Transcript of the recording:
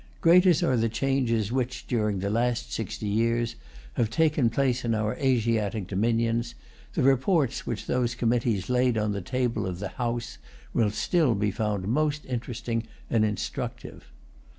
Great as are the changes which, during the last sixty years, have taken place in our Asiatic dominions, the reports which those committees laid on the table of the House will still be found most interesting and instructive.